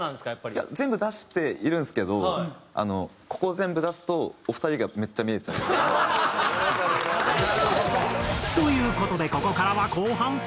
いや全部出しているんですけどここを全部出すとお二人がめっちゃ見えちゃう。という事でここからは後半戦。